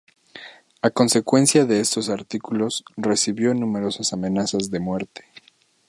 A consecuencia de estos artículos, recibió numerosas amenazas de muerte.